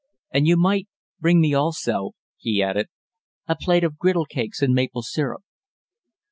And you might bring me also," he added, "a plate of griddle cakes and maple syrup."